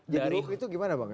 jadi hook itu gimana bang